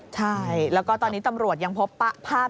ใช่แล้วก็ตอนนี้ตำรวจยังพบภาพ